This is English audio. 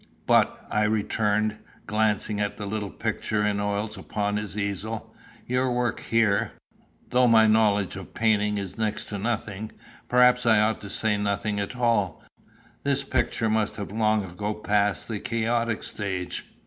"But," I returned, glancing at the little picture in oils upon his easel, "your work here, though my knowledge of painting is next to nothing perhaps I ought to say nothing at all this picture must have long ago passed the chaotic stage."